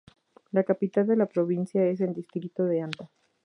La Capital de la provincia es el Distrito de Anta.